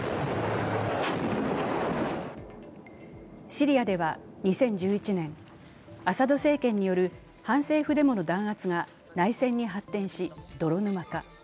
シリアでは２０１１年、アサド政権による反政府デモの弾圧が内戦に発展し、泥沼化。